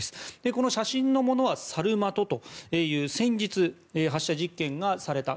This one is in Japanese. この写真のものはサルマトという先日発射実験がされた。